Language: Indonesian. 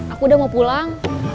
aku udah mau pulang